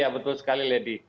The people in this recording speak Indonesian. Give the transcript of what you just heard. betul sekali ledi